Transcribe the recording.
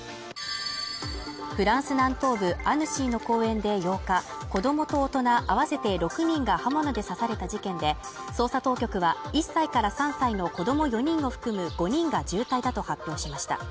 フランス南東部、アヌシーの公園で８日、子供と大人合わせて６人が刃物で刺された事件で、捜査当局は１歳から３歳の子供４人を含む５人が重体だと発表しました